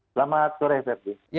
selamat sore pak erdi